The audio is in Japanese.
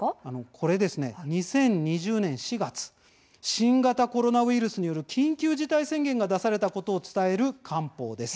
これ２０２０年４月新型コロナウイルスによる緊急事態宣言が出されたことを伝える官報です。